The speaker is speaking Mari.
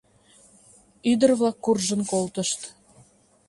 Ӱдыр-влак куржын колтышт.